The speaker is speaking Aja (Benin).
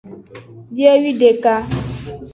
Biewideka.